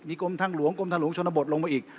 กรมทางหลวงกรมทางหลวงชนบทลงมาอีก